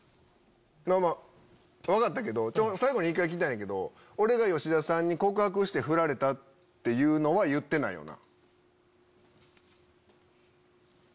まぁ分かったけど最後に聞きたいんやけど俺がヨシダさんに告白してフラれたっていうのは言ってないよな？